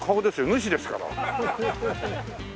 主ですから。